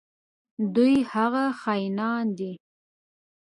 دوی هغه خاینان دي.